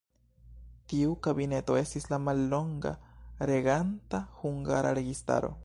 Tiu kabineto estis la mallonga reganta hungara registaro.